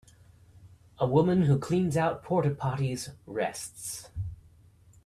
A woman who cleans out portapotties rests.